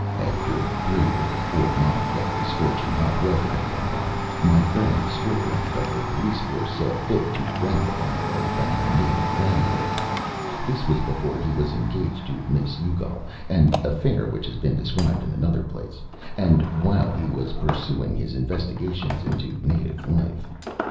After three or four months of the scorching hot weather had gone by, my friend Strickland, of the police force, saw fit to rent the bungalow from the native landlord. This was before he was engaged to Miss Youghal an affair which has been described in another place and while he was pursuing his investigations into native life.